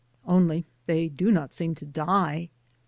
Only they do not seem to die.